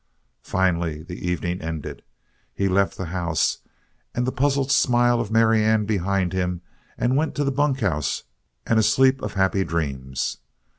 Finally, the evening ended. He left the house and the puzzled smile of Marianne behind him and went to the bunkhouse and a sleep of happy dreams.